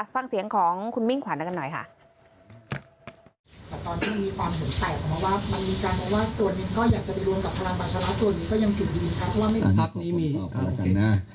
ฟังเสียงของคุณมิ้งขวานช่างังหน่อย